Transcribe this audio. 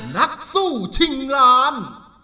นักสู้ชิงล้าน